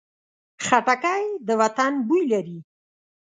خټکی د وطن بوی لري.